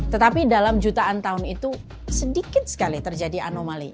tetapi dalam jutaan tahun itu sedikit sekali terjadi anomali